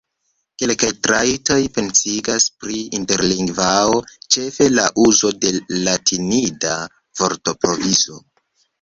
Kelkaj trajtoj pensigas pri interlingvao, ĉefe la uzo de latinida vortprovizo.